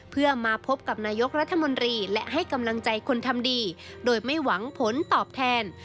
เพื่อมาพบกับนายกรัฐมนตรีและให้กำลังใจคนทำดีโดยไม่หวังผลตอบแทน